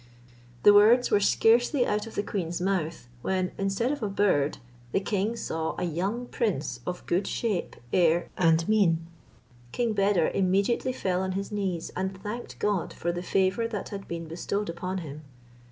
The words were scarcely out of the queen's mouth, when, instead of a bird, the king saw a young prince of good shape, air, and mien. King Beder immediately fell on his knees, and thanked God for the favour that had been bestowed upon him.